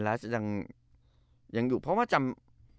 แล้วจะยังอยู่เพราะว่าจำ